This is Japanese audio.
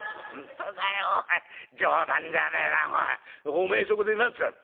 おめえそこで何つったの？」。